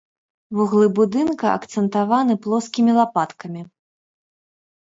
Вуглы будынка акцэнтаваны плоскімі лапаткамі.